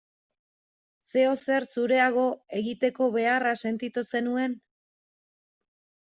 Zeozer zureagoa egiteko beharra sentitu zenuen?